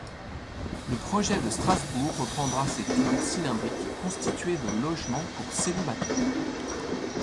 Le projet de Strasbourg reprendra ces tours cylindriques constituées de logements pour célibataires.